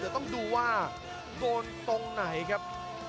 เดี๋ยวต้องดูว่าโดนตรงไหนครับ